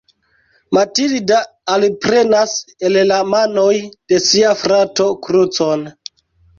Matilda alprenas el la manoj de sia frato krucon.